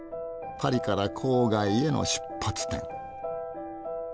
パリから郊外への出発点。